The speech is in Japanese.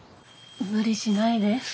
無理しないで。